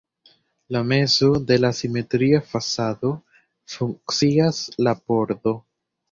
En mezo de la simetria fasado funkcias la pordo.